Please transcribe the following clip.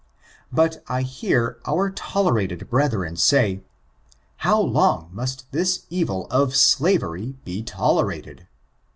But I hear our tolerated brethren say, how long must this evil of slavery be tolerated?